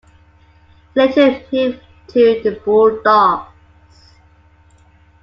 He later moved to the Bulldogs.